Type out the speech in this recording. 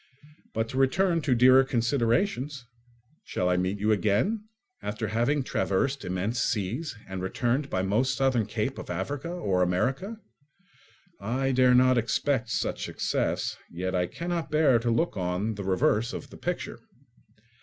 But to return to dearer considerations. Shall I meet you again, after having traversed immense seas, and returned by the most southern cape of Africa or America? I dare not expect such success, yet I cannot bear to look on the reverse of the picture.